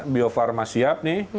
bio farma siap nih